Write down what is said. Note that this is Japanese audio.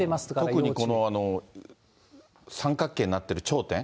特にこの三角形になっている頂点。